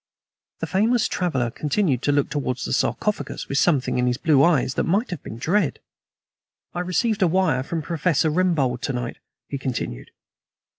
The famous traveler continued to look towards the sarcophagus with something in his blue eyes that might have been dread. "I received a wire from Professor Rembold to night," he continued.